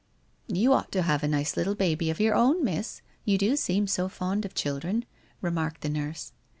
' You ought to have a nice little baby of your own, miss, you do seem so fond of children,' remarked the nurse.